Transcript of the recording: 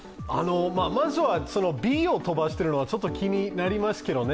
まずはＢを飛ばしてるのは気になりますけどね。